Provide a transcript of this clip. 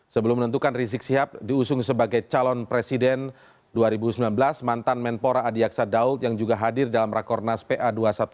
sebelum menentukan rizik sihab diusung sebagai calon presiden dua ribu sembilan belas mantan menpora adi aksa daud yang juga hadir dalam rakornas pa dua ratus dua belas